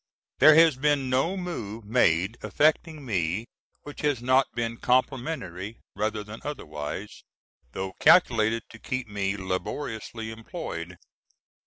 There has been no move made affecting me which has not been complimentary rather than otherwise, though calculated to keep me laboriously employed.